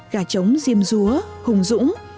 gà trống diêm rúa hùng dũng